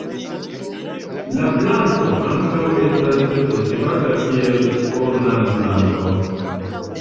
La planto ankaŭ estas kultivata kiel ornamplanto.